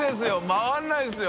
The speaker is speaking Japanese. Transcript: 回らないですよ